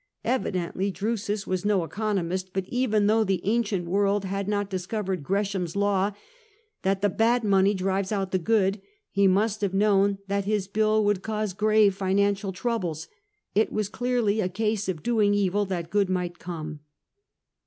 Evidently Drusus was no economist ; but even though the ancient world had not discovered '' Gresham's Law/' that the had money drives out the good, he must have known that his bill would cause grave financial troubles. It was clearly a case of doing evil that good might come.